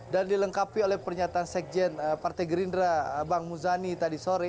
dan dilengkapi oleh pernyataan sekjen partai gerindra bang muzani tadi sore